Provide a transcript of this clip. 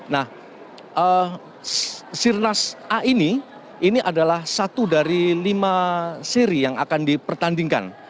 nah sirnas a ini ini adalah satu dari lima seri yang akan dipertandingkan